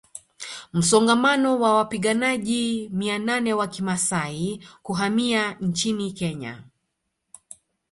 Msongamano wa wapiganaji mia nane wa Kimasai kuhamia nchini Kenya